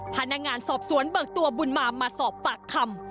พนักงานสอบสวนเบิกตัวบุญมามาสอบปากคำ